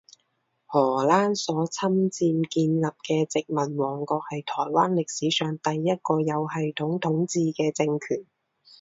荷兰所侵占建立的殖民王国，是台湾历史上第一个有系统统治的政权。